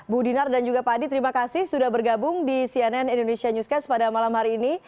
bu dinar dan juga pak adi terima kasih sudah bergabung di cnn indonesia newscast pada malam hari ini